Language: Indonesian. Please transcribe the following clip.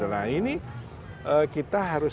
nah ini kita harus